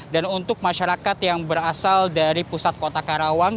dan untuk masyarakat yang berasal dari pusat kota karawang